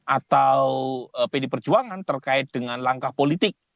atau pd perjuangan terkait dengan langkah politik